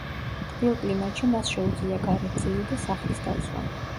თბილ კლიმატში მას შეუძლია გარეთ ძილი და სახლის დაცვა.